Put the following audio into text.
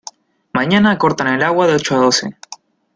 Mañana cortan el agua de ocho a doce.